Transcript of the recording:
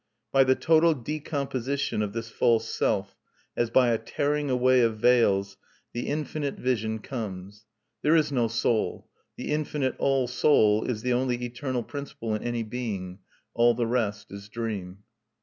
By the total decomposition of this false self, as by a tearing away of veils, the Infinite Vision comes. There is no "soul": the Infinite All Soul is the only eternal principle in any being; all the rest is dream.